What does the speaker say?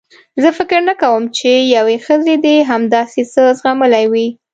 زه فکر نه کوم چې یوې ښځې دې هم داسې څه زغملي وي.